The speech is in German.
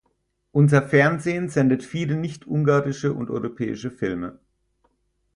Unser Fernsehen sendet viele nicht ungarische und europäische Filme.